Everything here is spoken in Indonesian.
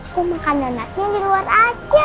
aku makan donatnya di luar aja